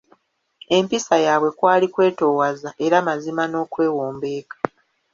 Empisa yaabwe kwali kwetoowaza era mazima n'okwewombeeka.